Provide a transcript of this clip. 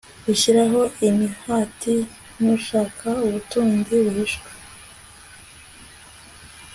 gushyiraho imihati nk'ushaka ubutunzi buhishwe